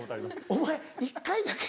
お前１回だけ？